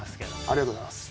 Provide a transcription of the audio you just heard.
ありがとうございます。